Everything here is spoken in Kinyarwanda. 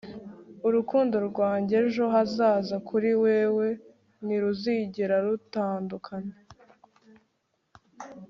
urukundo rwanjyejo hazaza kuri wewe ntiruzigera rutandukana